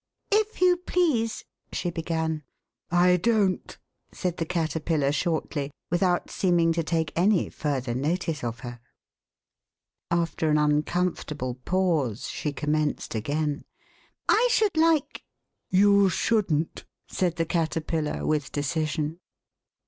If you please " she began. I don't," said the Caterpillar shortly, without seeming to take any further notice of her. 39 The Westminster Alice After an uncomfortable pause she commenced again. " I should like " TH^f " You shouldn't," said the Caterpillar, with decision.